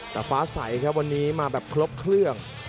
แต่ฟ้าใสครับวันนี้มาแบบครบเครื่อง